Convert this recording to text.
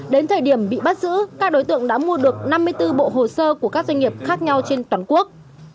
đến thời điểm bị bắt giữ các đối tượng đã mua được năm mươi bốn bộ hồ sơ của các doanh nghiệp khác nhau trên toàn quốc